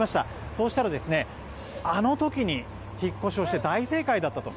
そうしたら、あの時に引っ越しをして大正解だったと。